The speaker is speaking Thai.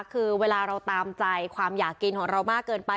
คือเวลาเราตามใจความอยากกินของเรามากเกินไป